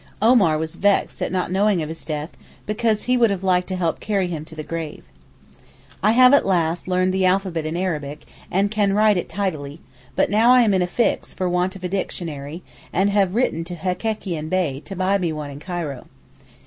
Omar was vexed at not knowing of his death, because he would have liked to help to carry him to the grave. I have at last learned the alphabet in Arabic, and can write it quite tidily, but now I am in a fix for want of a dictionary, and have written to Hekekian Bey to buy me one in Cairo.